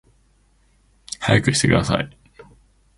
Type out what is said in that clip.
速くしてください